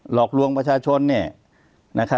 หลอกลวงประชาชน